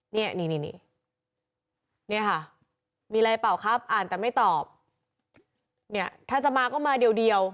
เนี่ยถ้าจะมาก็มาเดียว